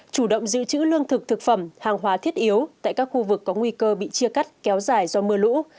chủ động giữ chữ lương thực thực phẩm hàng hóa thiết yếu tại các khu vực có nguy cơ bị chia cắt kéo dài do mưa lũ